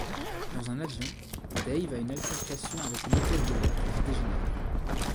Dans un avion, Dave a une altercation avec une hôtesse de l'air qui dégénère.